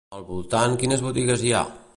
Al voltant, quines botigues hi ha?